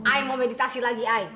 air mau meditasi lagi air